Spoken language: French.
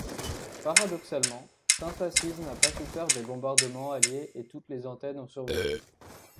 Paradoxalement, Sainte-Assise n'a pas souffert des bombardements alliés et toutes les antennes ont survécu.